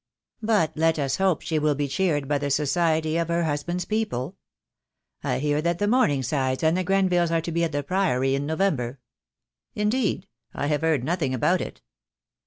"But let us hope she will be cheered by the society of her husband's people. I hear that the Morningsides and the Grenvilles are to be at the Priory in November." "Indeed! I have heard nothing about it."